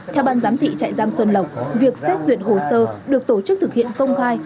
theo ban giám thị trại giam xuân lộc việc xét duyệt hồ sơ được tổ chức thực hiện công khai